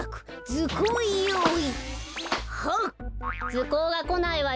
ずこうがこないわよ。